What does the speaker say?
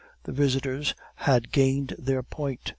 The visitors had gained their point.